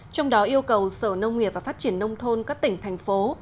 trong đó yêu cầu sở nông nghiệp và phát triển nông thôn các tỉnh thành phố